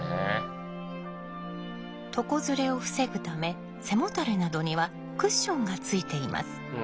床ずれを防ぐため背もたれなどにはクッションがついています。